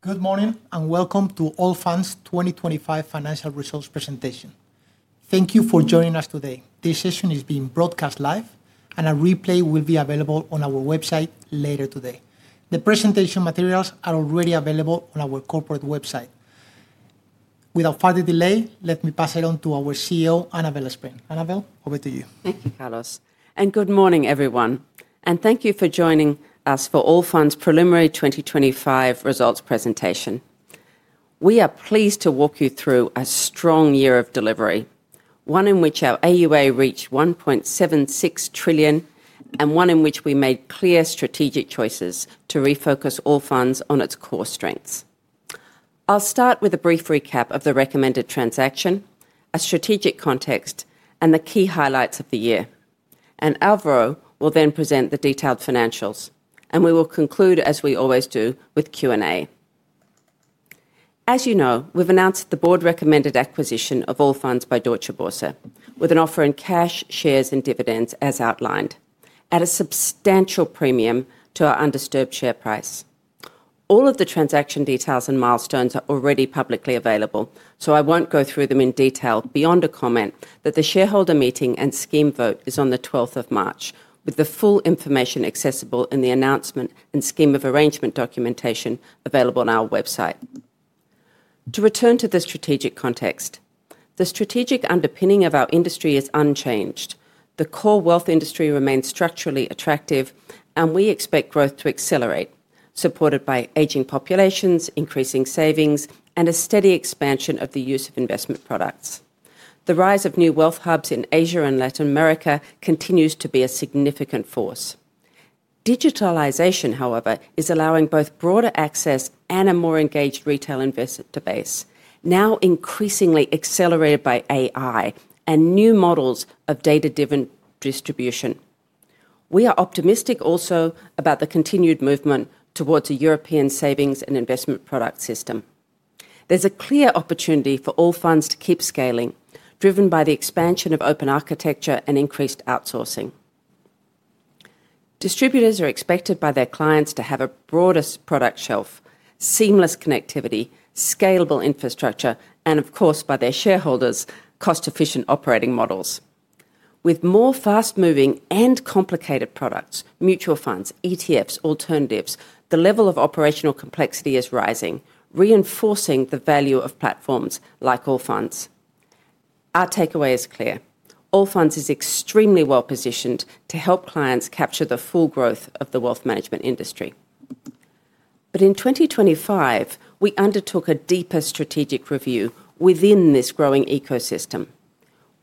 Good morning, and welcome to Allfunds' 2025 Financial Results Presentation. Thank you for joining us today. This session is being broadcast live, and a replay will be available on our website later today. The presentation materials are already available on our corporate website. Without further delay, let me pass it on to our CEO, Annabel Spring. Annabel, over to you. Thank you, Carlos. Good morning, everyone, and thank you for joining us for Allfunds' preliminary 2025 results presentation. We are pleased to walk you through a strong year of delivery, one in which our AUA reached 1.76 trillion and one in which we made clear strategic choices to refocus Allfunds on its core strengths. I'll start with a brief recap of the recommended transaction, a strategic context, and the key highlights of the year. Álvaro will then present the detailed financials. We will conclude, as we always do, with Q&A. As you know, we've announced the board-recommended acquisition of Allfunds by Deutsche Börse, with an offer in cash, shares, and dividends as outlined, at a substantial premium to our undisturbed share price. All of the transaction details and milestones are already publicly available, I won't go through them in detail beyond a comment that the shareholder meeting and scheme vote is on the 12th of March, with the full information accessible in the announcement and scheme of arrangement documentation available on our website. To return to the strategic context, the strategic underpinning of our industry is unchanged. The core wealth industry remains structurally attractive, and we expect growth to accelerate, supported by aging populations, increasing savings, and a steady expansion of the use of investment products. The rise of new wealth hubs in Asia and Latin America continues to be a significant force. Digitalization, however, is allowing both broader access and a more engaged retail investor base, now increasingly accelerated by AI and new models of data-driven distribution. We are optimistic also about the continued movement towards a European savings and investment product system. There's a clear opportunity for Allfunds to keep scaling, driven by the expansion of open architecture and increased outsourcing. Distributors are expected by their clients to have a broader product shelf, seamless connectivity, scalable infrastructure and, of course, by their shareholders, cost-efficient operating models. With more fast-moving and complicated products, mutual funds, ETFs, alternatives, the level of operational complexity is rising, reinforcing the value of platforms like Allfunds. Our takeaway is clear. Allfunds is extremely well-positioned to help clients capture the full growth of the wealth management industry. In 2025, we undertook a deeper strategic review within this growing ecosystem.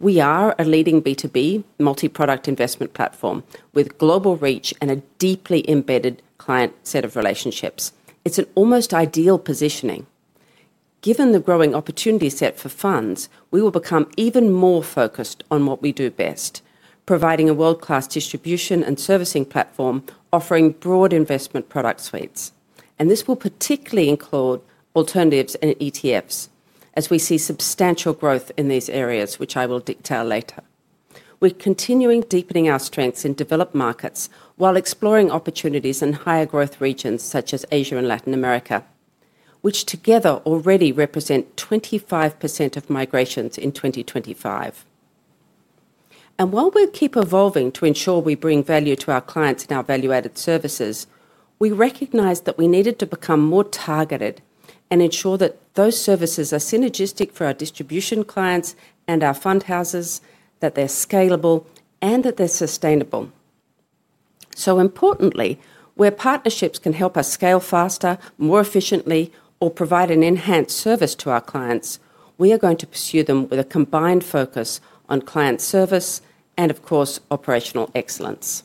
We are a leading B2B multi-product investment platform with global reach and a deeply embedded client set of relationships. It's an almost ideal positioning. Given the growing opportunity set for funds, we will become even more focused on what we do best, providing a world-class distribution and servicing platform offering broad investment product suites. This will particularly include alternatives and ETFs, as we see substantial growth in these areas, which I will detail later. We're continuing deepening our strengths in developed markets while exploring opportunities in higher growth regions such as Asia and Latin America, which together already represent 25% of migrations in 2025. While we'll keep evolving to ensure we bring value to our clients and our value-added services, we recognize that we needed to become more targeted and ensure that those services are synergistic for our distribution clients and our fund houses, that they're scalable, and that they're sustainable. Importantly, where partnerships can help us scale faster, more efficiently, or provide an enhanced service to our clients, we are going to pursue them with a combined focus on client service and, of course, operational excellence.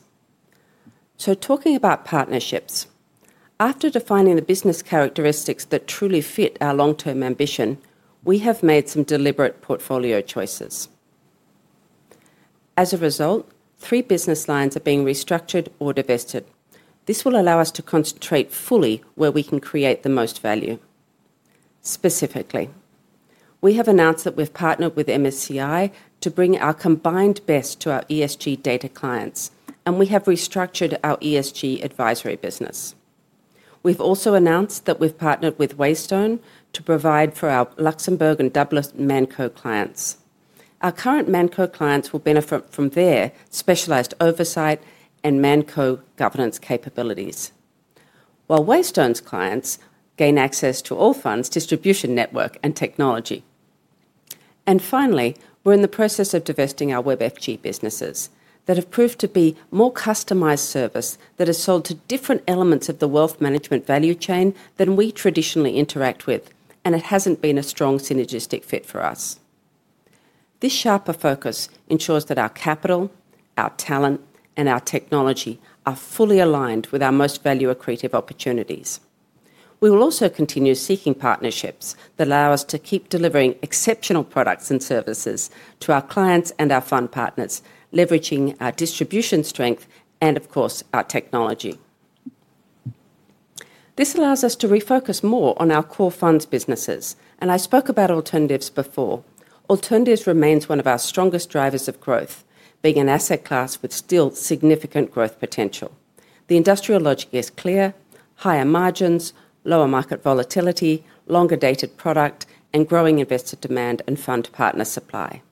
Talking about partnerships, after defining the business characteristics that truly fit our long-term ambition, we have made some deliberate portfolio choices. As a result, three business lines are being restructured or divested. This will allow us to concentrate fully where we can create the most value. Specifically, we have announced that we've partnered with MSCI to bring our combined best to our ESG data clients, and we have restructured our ESG advisory business. We've also announced that we've partnered with Waystone to provide for our Luxembourg and Dublin ManCo clients. Our current ManCo clients will benefit from their specialized oversight and ManCo governance capabilities, while Waystone's clients gain access to Allfunds' distribution network and technology. Finally, we're in the process of divesting our WebFG businesses that have proved to be more customized service that is sold to different elements of the wealth management value chain than we traditionally interact with, and it hasn't been a strong synergistic fit for us. This sharper focus ensures that our capital, our talent, and our technology are fully aligned with our most value-accretive opportunities. We will also continue seeking partnerships that allow us to keep delivering exceptional products and services to our clients and our fund partners, leveraging our distribution strength and, of course, our technology. This allows us to refocus more on our core funds businesses, and I spoke about alternatives before. Alternatives remains one of our strongest drivers of growth, being an asset class with still significant growth potential. The industrial logic is clear, higher margins, lower market volatility, longer dated product, and growing investor demand and fund partner supply.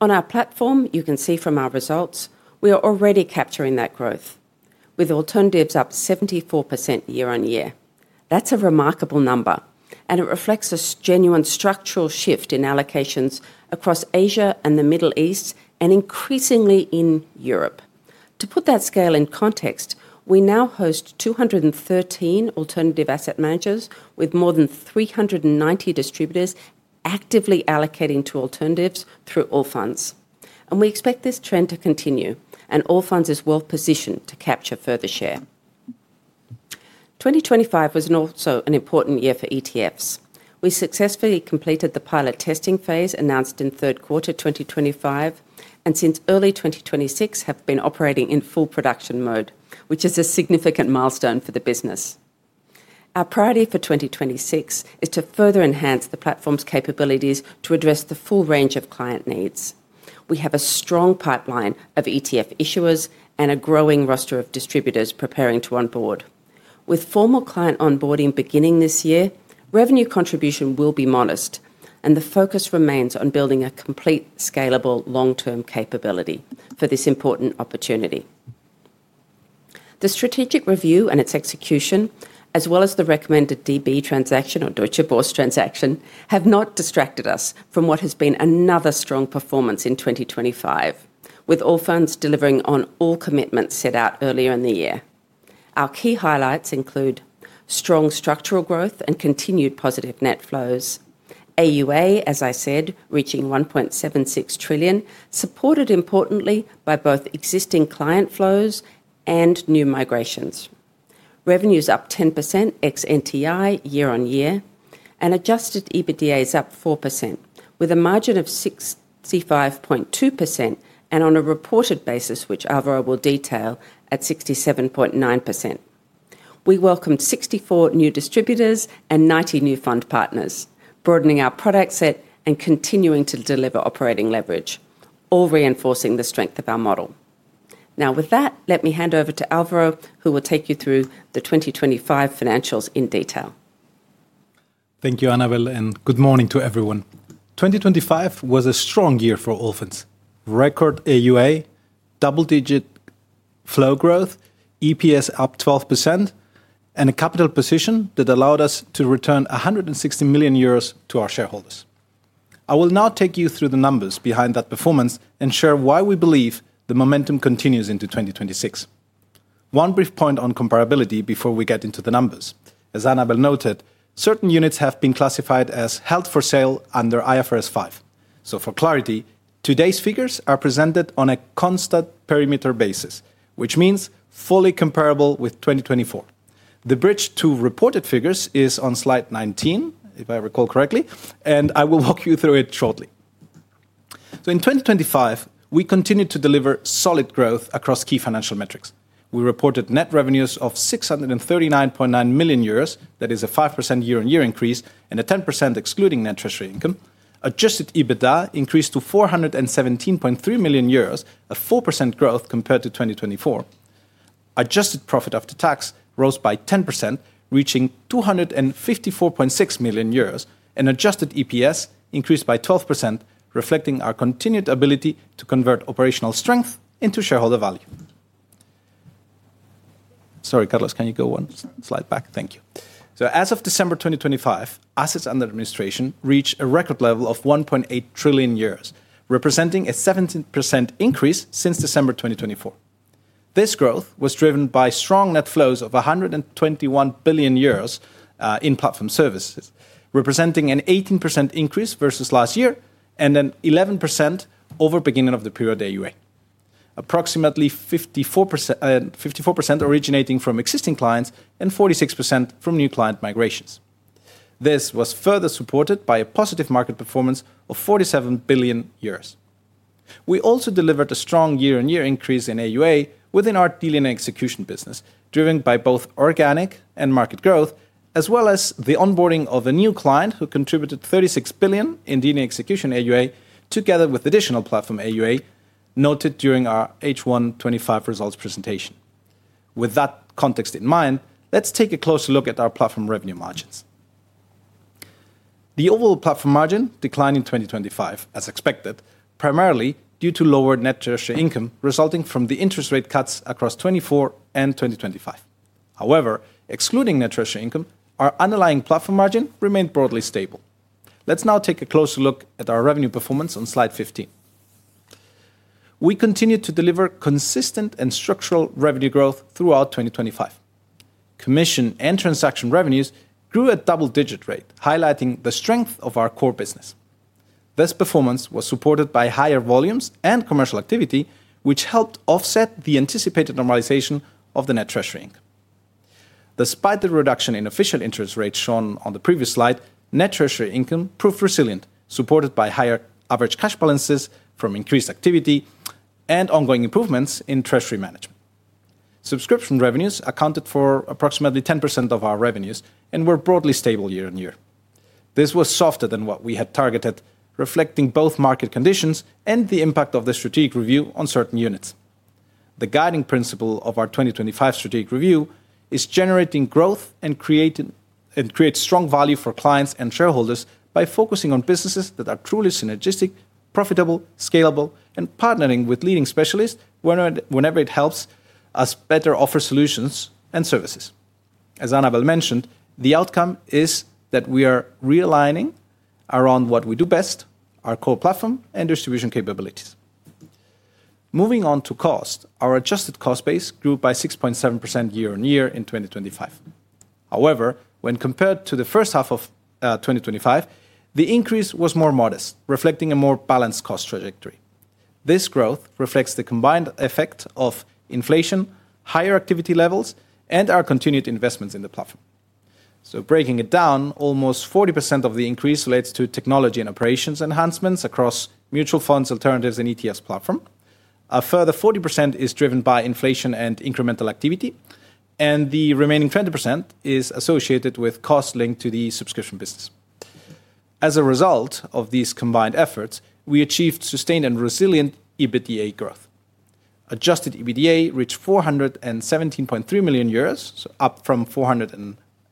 On our platform, you can see from our results, we are already capturing that growth with alternatives up 74% year-on-year. That's a remarkable number, and it reflects a genuine structural shift in allocations across Asia and the Middle East, and increasingly in Europe. To put that scale in context, we now host 213 alternative asset managers with more than 390 distributors actively allocating to alternatives through Allfunds. We expect this trend to continue, and Allfunds is well-positioned to capture further share. 2025 was an also an important year for ETFs. We successfully completed the pilot testing phase announced in 3Q 2025, and since early 2026 have been operating in full production mode, which is a significant milestone for the business. Our priority for 2026 is to further enhance the platform's capabilities to address the full range of client needs. We have a strong pipeline of ETF issuers and a growing roster of distributors preparing to onboard. With formal client onboarding beginning this year, revenue contribution will be modest, and the focus remains on building a complete scalable long-term capability for this important opportunity. The strategic review and its execution, as well as the recommended DB transaction or Deutsche Börse transaction, have not distracted us from what has been another strong performance in 2025, with Allfunds delivering on all commitments set out earlier in the year. Our key highlights include strong structural growth and continued positive net flows. AUA, as I said, reaching 1.76 trillion, supported importantly by both existing client flows and new migrations. Revenues up 10% ex NTI year-on-year and adjusted EBITDA is up 4% with a margin of 65.2% and on a reported basis, which Álvaro will detail at 67.9%. We welcomed 64 new distributors and 90 new fund partners, broadening our product set and continuing to deliver operating leverage, all reinforcing the strength of our model. With that, let me hand over to Álvaro, who will take you through the 2025 financials in detail. Thank you, Annabel. Good morning to everyone. 2025 was a strong year for Allfunds. Record AUA, double-digit flow growth, EPS up 12%, and a capital position that allowed us to return 160 million euros to our shareholders. I will now take you through the numbers behind that performance and share why we believe the momentum continues into 2026. One brief point on comparability before we get into the numbers. As Annabel noted, certain units have been classified as held for sale under IFRS 5. For clarity, today's figures are presented on a constant perimeter basis, which means fully comparable with 2024. The bridge to reported figures is on slide 19, if I recall correctly, and I will walk you through it shortly. In 2025, we continued to deliver solid growth across key financial metrics. We reported net revenues of 639.9 million euros, that is a 5% year-on-year increase and a 10% excluding net treasury income. Adjusted EBITDA increased to 417.3 million euros, a 4% growth compared to 2024. Adjusted profit after tax rose by 10%, reaching 254.6 million euros. Adjusted EPS increased by 12%, reflecting our continued ability to convert operational strength into shareholder value. Sorry, Carlos, can you go one slide back? Thank you. As of December 2025, assets under administration reach a record level of 1.8 trillion euros, representing a 17% increase since December 2024. This growth was driven by strong net flows of 121 billion euros in platform services, representing an 18% increase versus last year and an 11% over beginning of the period AUA. Approximately 54% originating from existing clients and 46% from new client migrations. This was further supported by a positive market performance of 47 billion euros. We also delivered a strong year-on-year increase in AUA within our dealing and execution business, driven by both organic and market growth, as well as the onboarding of a new client who contributed 36 billion in dealing and execution AUA, together with additional platform AUA noted during our H1 2025 results presentation. With that context in mind, let's take a closer look at our platform revenue margins. The overall platform margin declined in 2025 as expected, primarily due to lower net treasury income resulting from the interest rate cuts across 2024 and 2025. Excluding net treasury income, our underlying platform margin remained broadly stable. Let's now take a closer look at our revenue performance on slide 15. We continued to deliver consistent and structural revenue growth throughout 2025. Commission and transaction revenues grew at double-digit rate, highlighting the strength of our core business. This performance was supported by higher volumes and commercial activity, which helped offset the anticipated normalization of the net treasury income. Despite the reduction in official interest rates shown on the previous slide, net treasury income proved resilient, supported by higher average cash balances from increased activity and ongoing improvements in treasury management. Subscription revenues accounted for approximately 10% of our revenues and were broadly stable year-over-year. This was softer than what we had targeted, reflecting both market conditions and the impact of the strategic review on certain units. The guiding principle of our 2025 strategic review is generating growth and create strong value for clients and shareholders by focusing on businesses that are truly synergistic, profitable, scalable, and partnering with leading specialists whenever it helps us better offer solutions and services. As Annabel mentioned, the outcome is that we are realigning around what we do best, our core platform and distribution capabilities. Moving on to cost. Our adjusted cost base grew by 6.7% year-on-year in 2025. However, when compared to the first half of 2025, the increase was more modest, reflecting a more balanced cost trajectory. This growth reflects the combined effect of inflation, higher activity levels, and our continued investments in the platform. Breaking it down, almost 40% of the increase relates to technology and operations enhancements across mutual funds, alternatives, and ETFs platform. A further 40% is driven by inflation and incremental activity, and the remaining 20% is associated with costs linked to the subscription business. As a result of these combined efforts, we achieved sustained and resilient EBITDA growth. Adjusted EBITDA reached 417.3 million euros, up from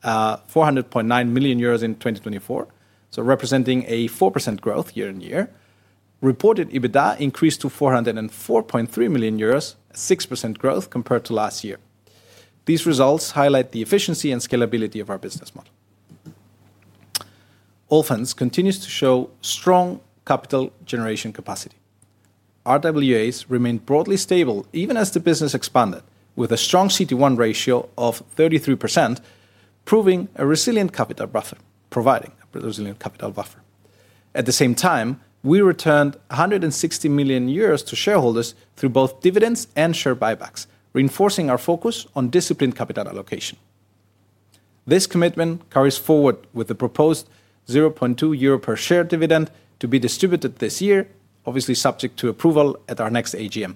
400.9 million euros in 2024, so representing a 4% growth year-on-year. Reported EBITDA increased to 404.3 million euros, a 6% growth compared to last year. These results highlight the efficiency and scalability of our business model. Allfunds continues to show strong capital generation capacity. RWAs remained broadly stable even as the business expanded, with a strong CET1 ratio of 33%, providing a resilient capital buffer. We returned 160 million euros to shareholders through both dividends and share buybacks, reinforcing our focus on disciplined capital allocation. This commitment carries forward with the proposed 0.2 euro per share dividend to be distributed this year, obviously subject to approval at our next AGM.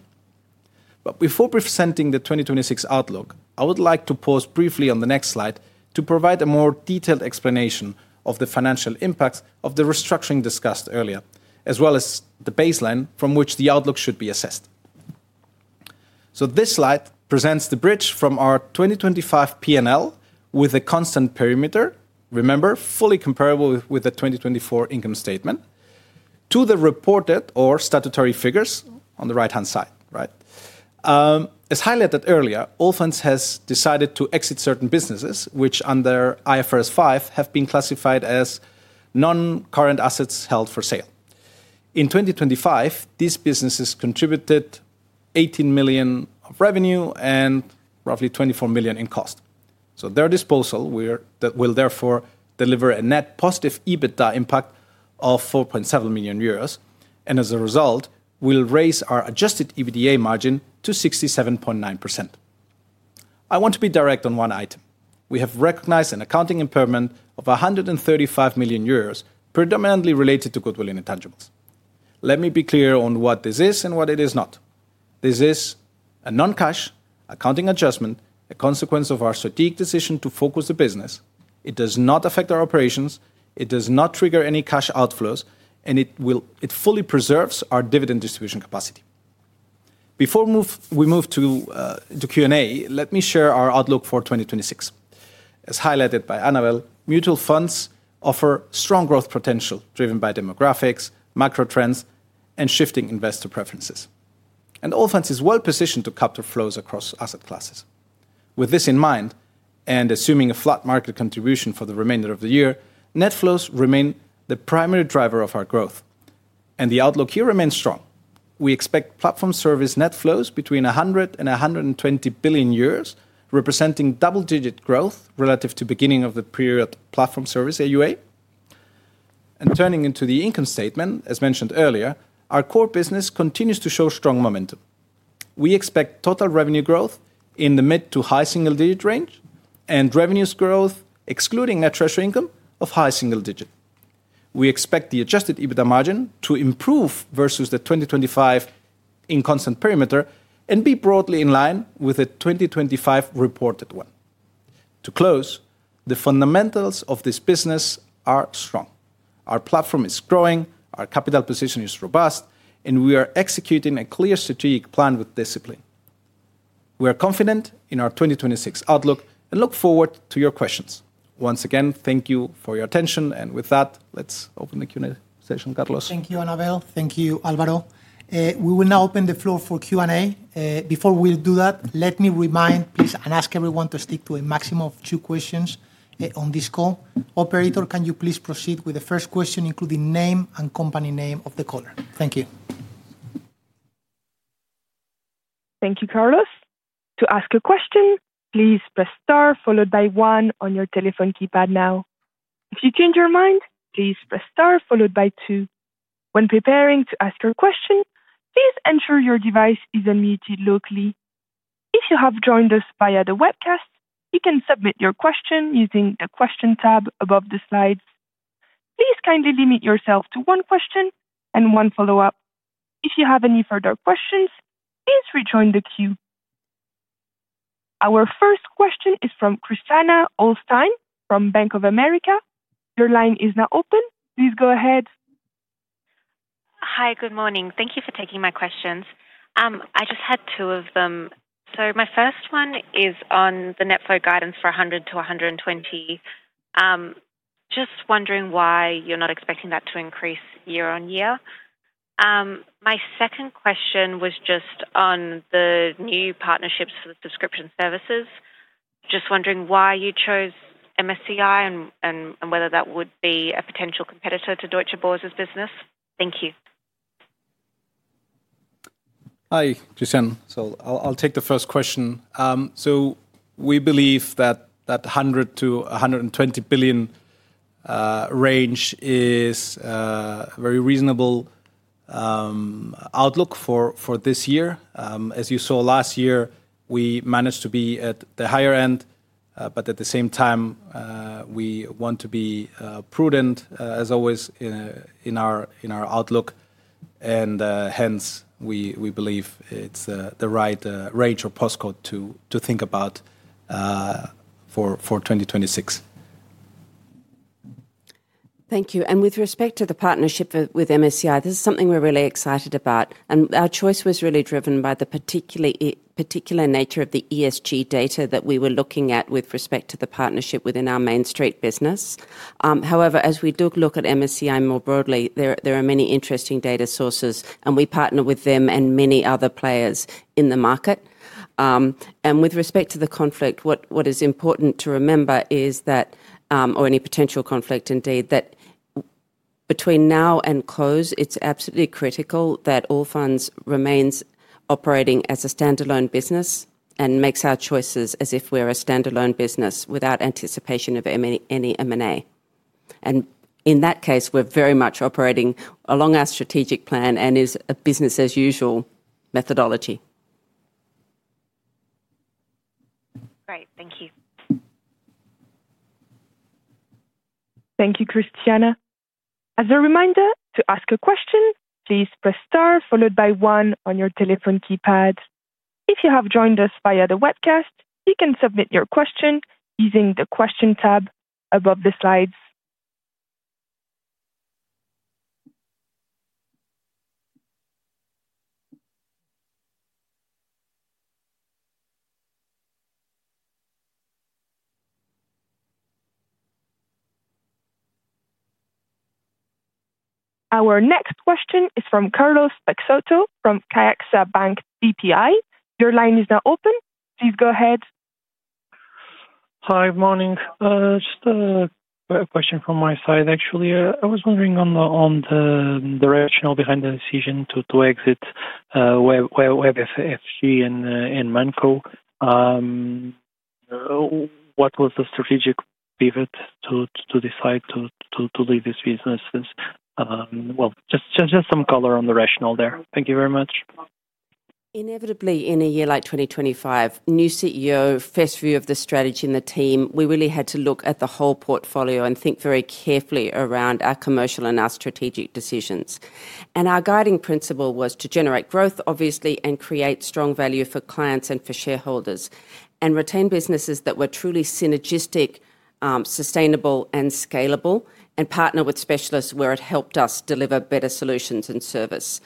Before presenting the 2026 outlook, I would like to pause briefly on the next slide to provide a more detailed explanation of the financial impacts of the restructuring discussed earlier, as well as the baseline from which the outlook should be assessed. This slide presents the bridge from our 2025 P&L with a constant perimeter, remember, fully comparable with the 2024 income statement, to the reported or statutory figures on the right-hand side. As highlighted earlier, Allfunds has decided to exit certain businesses which under IFRS 5 have been classified as non-current assets held for sale. In 2025, these businesses contributed 18 million of revenue and roughly 24 million in cost. Their disposal that will therefore deliver a net positive EBITDA impact of 4.7 million euros and as a result will raise our adjusted EBITDA margin to 67.9%. I want to be direct on one item. We have recognized an accounting impairment of 135 million euros, predominantly related to goodwill intangibles. Let me be clear on what this is and what it is not. This is a non-cash accounting adjustment, a consequence of our strategic decision to focus the business. It does not affect our operations, it does not trigger any cash outflows, it fully preserves our dividend distribution capacity. Before we move to Q&A, let me share our outlook for 2026. As highlighted by Annabel, mutual funds offer strong growth potential driven by demographics, macro trends, and shifting investor preferences. Allfunds is well-positioned to capture flows across asset classes. With this in mind, and assuming a flat market contribution for the remainder of the year, net flows remain the primary driver of our growth, and the outlook here remains strong. We expect platform service net flows between 100 billion-120 billion euros, representing double-digit growth relative to beginning of the period platform service AUA. Turning into the income statement, as mentioned earlier, our core business continues to show strong momentum. We expect total revenue growth in the mid to high single digit range and revenues growth, excluding net treasury income, of high single digit. We expect the adjusted EBITDA margin to improve versus the 2025 in constant perimeter and be broadly in line with the 2025 reported one. To close, the fundamentals of this business are strong. Our platform is growing, our capital position is robust, and we are executing a clear strategic plan with discipline. We are confident in our 2026 outlook and look forward to your questions. Once again, thank you for your attention. With that, let's open the Q&A session. Carlos? Thank you, Annabel. Thank you, Álvaro. We will now open the floor for Q&A. Before we do that, let me remind, please, and ask everyone to stick to a maximum of two questions on this call. Operator, can you please proceed with the first question, including name and company name of the caller? Thank you. Thank you, Carlos. To ask a question, please press star followed by one on your telephone keypad now. If you change your mind, please press star followed by two. When preparing to ask your question, please ensure your device is unmuted locally. If you have joined us via the webcast, you can submit your question using the Question tab above the slides. Please kindly limit yourself to one question and one follow-up. If you have any further questions, please rejoin the queue. Our first question is from Christiane Holstein from Bank of America. Your line is now open. Please go ahead. Hi. Good morning. Thank you for taking my questions. I just had two of them. My first one is on the net flow guidance for 100 billion-120 billion. Just wondering why you're not expecting that to increase year-on-year? My second question was just on the new partnerships with subscription services. Just wondering why you chose MSCI and whether that would be a potential competitor to Deutsche Börse's business? Thank you. Hi, Christiane. I'll take the first question. We believe that 100 billion-120 billion range is a very reasonable outlook for this year. As you saw last year, we managed to be at the higher end, but at the same time, we want to be prudent as always in our outlook and hence, we believe it's the right range or postcode to think about for 2026. Thank you. With respect to the partnership with MSCI, this is something we're really excited about, and our choice was really driven by the particular nature of the ESG data that we were looking at with respect to the partnership within our MainStreet business. However, as we do look at MSCI more broadly, there are many interesting data sources, and we partner with them and many other players in the market. With respect to the conflict, what is important to remember is that, or any potential conflict indeed, that between now and close, it's absolutely critical that Allfunds remains operating as a standalone business and makes our choices as if we're a standalone business without anticipation of any M&A. In that case, we're very much operating along our strategic plan and is a business as usual methodology. Great. Thank you. Thank you, Christiane. As a reminder, to ask a question, please press star followed by one on your telephone keypad. If you have joined us via the webcast, you can submit your question using the Question tab above the slides. Our next question is from Carlos Peixoto from CaixaBank BPI. Your line is now open. Please go ahead. Hi. Morning. just a question from my side actually. I was wondering on the rationale behind the decision to exit WebFG and ManCo. what was the strategic pivot to decide to leave these businesses? well, just some color on the rationale there. Thank you very much. Inevitably, in a year like 2025, new CEO, first view of the strategy and the team, we really had to look at the whole portfolio and think very carefully around our commercial and our strategic decisions. Our guiding principle was to generate growth, obviously, and create strong value for clients and for shareholders and retain businesses that were truly synergistic, sustainable and scalable and partner with specialists where it helped us deliver better solutions and service.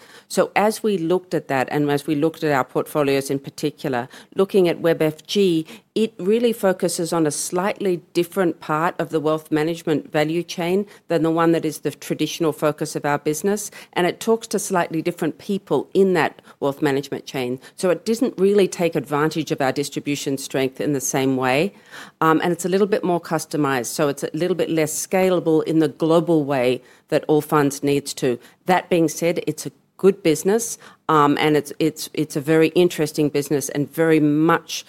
As we looked at that, and as we looked at our portfolios in particular, looking at WebFG, it really focuses on a slightly different part of the wealth management value chain than the one that is the traditional focus of our business, and it talks to slightly different people in that wealth management chain. It doesn't really take advantage of our distribution strength in the same way, and it's a little bit more customized, so it's a little bit less scalable in the global way that Allfunds needs to. That being said, it's a good business, and it's a very interesting business and very much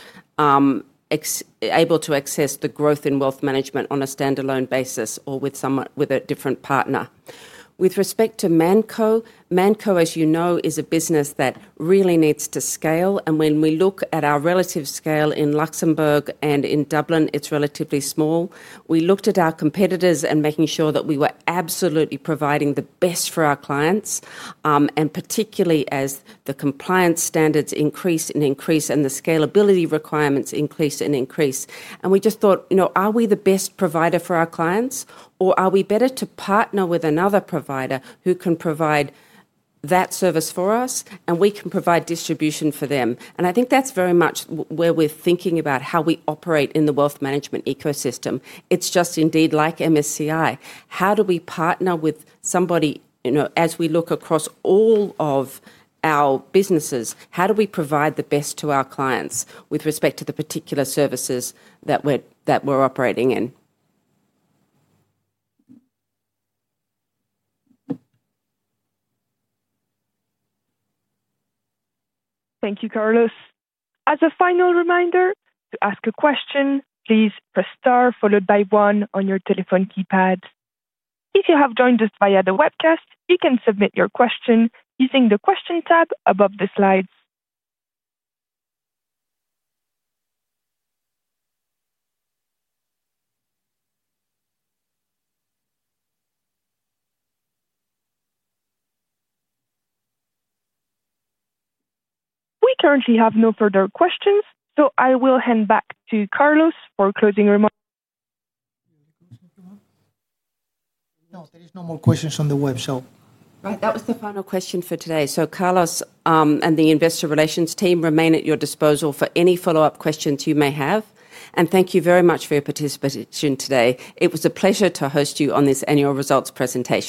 able to access the growth in wealth management on a standalone basis or with a different partner. With respect to ManCo, as you know, is a business that really needs to scale, and when we look at our relative scale in Luxembourg and in Dublin, it's relatively small. We looked at our competitors and making sure that we were absolutely providing the best for our clients, and particularly as the compliance standards increase and increase and the scalability requirements increase and increase. We just thought, you know, are we the best provider for our clients, or are we better to partner with another provider who can provide that service for us, and we can provide distribution for them? I think that's very much where we're thinking about how we operate in the wealth management ecosystem. It's just indeed like MSCI. How do we partner with somebody, you know, as we look across all of our businesses, how do we provide the best to our clients with respect to the particular services that we're operating in? Thank you, Carlos. As a final reminder, to ask a question, please press star followed by one on your telephone keypad. If you have joined us via the webcast, you can submit your question using the Question tab above the slides. We currently have no further questions, so I will hand back to Carlos for closing remarks. No, there is no more questions on the web, so. Right. That was the final question for today. Carlos, and the Investor Relations team remain at your disposal for any follow-up questions you may have. Thank you very much for your participation today. It was a pleasure to host you on this annual results presentation.